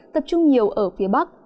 tập trung nhiều ở phía bắc